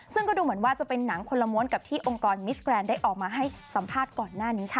ซึ่งก็ดูเหมือนว่าจะเป็นหนังคนละม้วนกับที่องค์กรมิสแกรนด์ได้ออกมาให้สัมภาษณ์ก่อนหน้านี้ค่ะ